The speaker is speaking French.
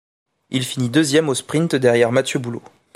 Il finit deuxième au sprint derrière Matthieu Boulo.